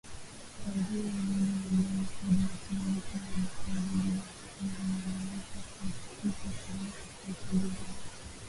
Waziri wa Mambo ya Ndani Fred Matiang’i pia amesema vyombo vya usalama vimeimarishwa kuhakikisha usalama katika uchaguzi na nchi